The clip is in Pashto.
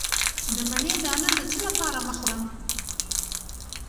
د مڼې دانه د څه لپاره مه خورم؟